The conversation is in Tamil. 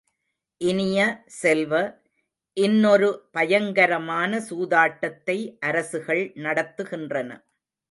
இனிய செல்வ, இன்னொரு பயங்கரமான சூதாட்டத்தை அரசுகள் நடத்துகின்றன.